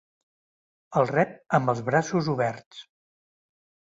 El rep amb els braços oberts.